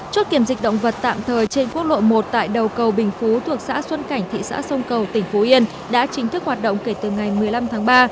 chốt kiểm dịch động vật tạm thời trên quốc lộ một tại đầu cầu bình phú thuộc xã xuân cảnh thị xã sông cầu tỉnh phú yên đã chính thức hoạt động kể từ ngày một mươi năm tháng ba